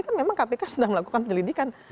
kan memang kpk sedang melakukan penyelidikan